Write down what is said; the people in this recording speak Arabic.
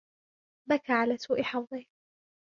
بكى على سوء حظه.